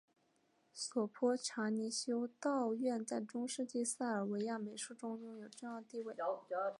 索泼查尼修道院在中世纪塞尔维亚美术中拥有重要地位。